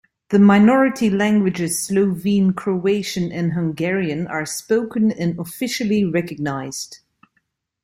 The minority languages Slovene, Croatian and Hungarian are spoken and officially recognized.